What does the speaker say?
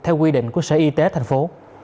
theo quy định của sở y tế thành phố